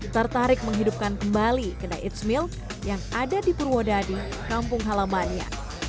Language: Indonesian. tertarik menghidupkan kembali kedai it's milk yang ada di purwodadi kampung halamannya